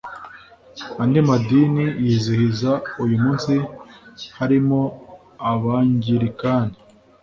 Andi madini yizihiza uyu munsi harimo Abangilikani